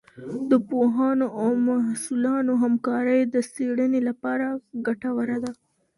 د پوهانو او محصلانو همکارۍ د څېړنې لپاره ګټوره ده.